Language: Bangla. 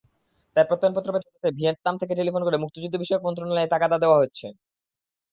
তাই প্রত্যয়নপত্র পেতে ভিয়েতনাম থেকে টেলিফোন করে মুক্তিযুদ্ধবিষয়ক মন্ত্রণালয়ে তাগাদা দেওয়া হচ্ছে।